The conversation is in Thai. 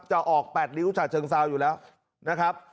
จะออก๘ริ้วฉะเชิงเซาอยู่แล้วนะครับ